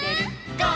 「ゴー！